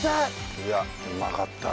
いやうまかったね